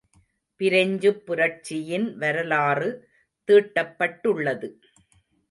பிரெஞ்சுப் புரட்சியின் வரலாறு தீட்டப்பட்டுள்ளது.